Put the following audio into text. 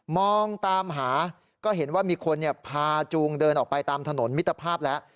มองตามหาก็เห็นว่ามีคนพาจูงเดินออกไปตามถนนมิตรภาพแล้ว